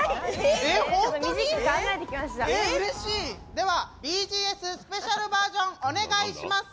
ではＢＧＳスペシャルバージョンお願いします。